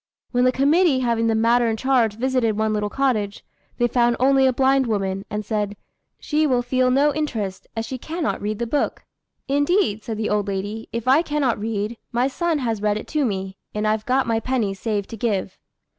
When the committee having the matter in charge visited one little cottage, they found only a blind woman, and said, "She will feel no interest, as she cannot read the book." "Indeed," said the old lady, "if I cannot read, my son has read it to me, and I've got my penny saved to give."